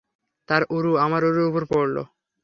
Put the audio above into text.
তার উরু আমার উরুর উপর পড়ল।